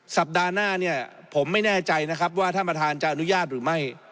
สัปดาห์หน้าเนี่ยผมไม่แน่ใจนะครับว่าท่านประธานจะอนุญาตหรือไม่